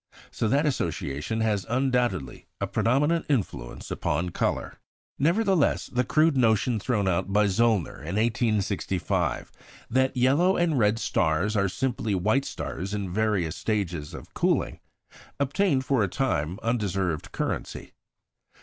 So that association has undoubtedly a predominant influence upon colour. Nevertheless, the crude notion thrown out by Zöllner in 1865, that yellow and red stars are simply white stars in various stages of cooling, obtained for a time undeserved currency.